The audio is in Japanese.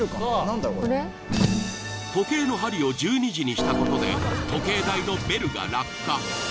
時計の針を１２時にしたことで時計台のベルが落下。